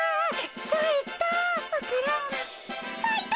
さいた。